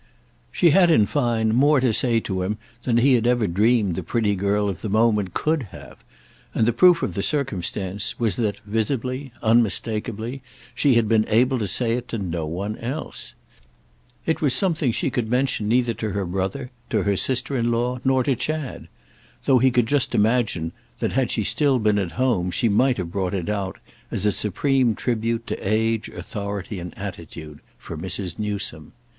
She had in fine more to say to him than he had ever dreamed the pretty girl of the moment could have; and the proof of the circumstance was that, visibly, unmistakeably, she had been able to say it to no one else. It was something she could mention neither to her brother, to her sister in law nor to Chad; though he could just imagine that had she still been at home she might have brought it out, as a supreme tribute to age, authority and attitude, for Mrs. Newsome.